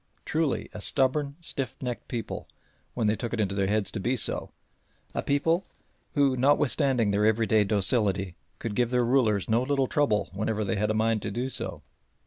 Truly a stubborn, stiffnecked people when they took it into their heads to be so a people who, notwithstanding their everyday docility, could give their rulers no little trouble whenever they had a mind to do so.